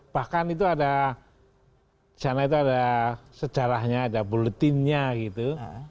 bahkan itu ada sejarahnya ada bulletinnya gitu